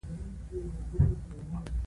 کېله د حافظې زوال مخنیوی کوي.